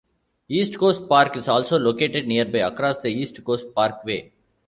East Coast Park is also located nearby, across the East Coast Parkway.